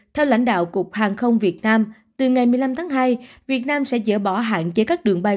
theo lãnh đạo cục hàng không việt nam từ ngày một mươi năm tháng hai việt nam sẽ dỡ bỏ hạn chế các đường bay